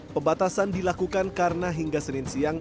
pembatasan dilakukan karena hingga senin siang